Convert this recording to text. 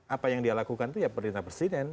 apa yang dia lakukan itu ya perintah presiden